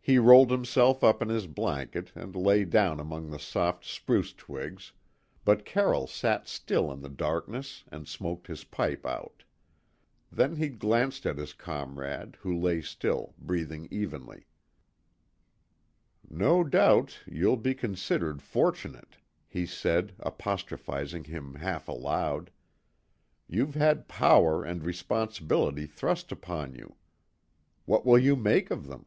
He rolled himself up in his blanket and lay down among the soft spruce twigs, but Carroll sat still in the darkness and smoked his pipe out. Then he glanced at his comrade, who lay still, breathing evenly. "No doubt you'll be considered fortunate," he said, apostrophizing him half aloud. "You've had power and responsibility thrust upon you. What will you make of them?"